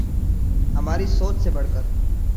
ہماری سوچ سے بڑھ کر